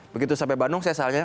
begitu sampai bandung saya salahnya